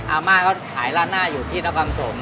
อาม่าก็ขายราดหน้าอยู่ที่ตะวังสม